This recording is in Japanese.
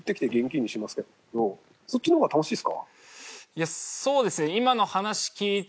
いやそうですね。